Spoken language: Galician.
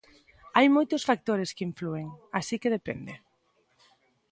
Hai moitos factores que inflúen, así que depende.